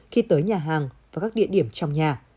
khi tới nhà hàng và các địa điểm trong nhà